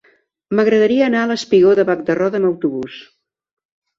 M'agradaria anar al espigó de Bac de Roda amb autobús.